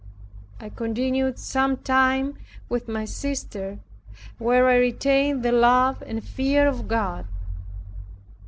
I continued some time with my sister, where I retained the love and fear of God.